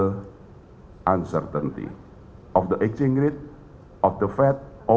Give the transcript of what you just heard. dari kualitas uang dari fed atau apapun